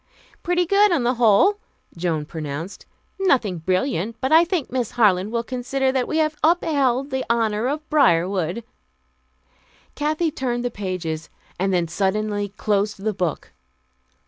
"Pretty good, on the whole," Joan pronounced. "Nothing brilliant, but I think Miss Harland will consider that we have upheld the honor of Briarwood." Kathy turned the pages, and then suddenly closed the book.